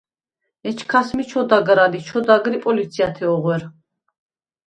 ეჩქას მი ჩოდაგრ ალი, ჩოდაგრ ი პოლიციათე ოღუ̂ერ.